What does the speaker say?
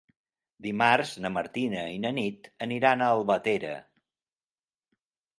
Dimarts na Martina i na Nit aniran a Albatera.